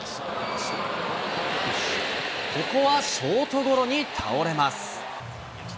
ここはショートゴロに倒れます。